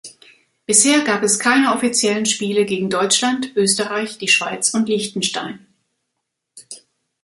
Bisher gab es keine offiziellen Spiele gegen Deutschland, Österreich, die Schweiz und Liechtenstein.